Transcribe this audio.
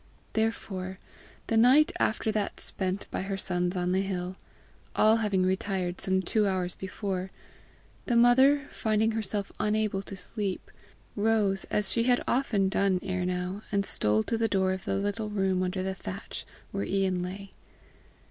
Therefore, the night after that spent by her sons on the hill, all having retired some two hours before, the mother, finding herself unable to sleep, rose as she had often done ere now, and stole to the door of the little room under the thatch where Ian lay.